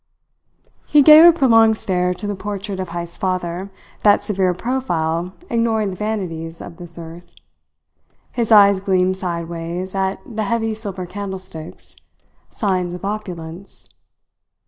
He gave a prolonged stare to the portrait of Heyst's father, that severe profile ignoring the vanities of this earth. His eyes gleamed sideways at the heavy silver candlesticks signs of opulence.